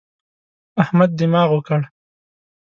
احمد دماغ وکړ.